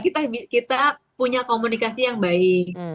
kita punya komunikasi yang baik